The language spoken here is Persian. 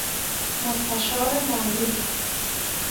مستشارمالی